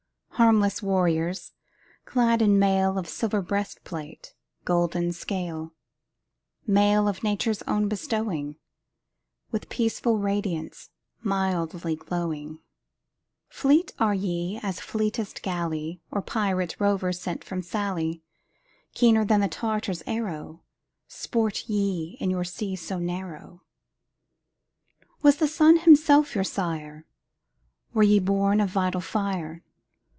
Harmless warriors, clad in mail Of silver breastplate, golden scale; Mail of Nature's own bestowing, With peaceful radiance, mildly glowing Fleet are ye as fleetest galley Or pirate rover sent from Sallee; Keener than the Tartar's arrow, Sport ye in your sea so narrow. Was the sun himself your sire? Were ye born of vital fire?